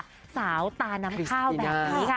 ชอบแต่ว่าสาวตาน้ำข้าวแบบนี้ค่ะ